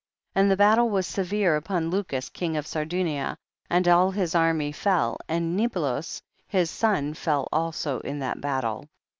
21. And the battle was severe upon Lucus king of Sardunia, and all his army fell, and Niblos his son fell also in that battle.